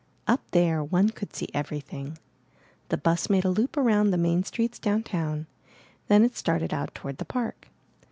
Up there one could see everything. The bus made a loop around the main streets downtown; then it started out toward the park.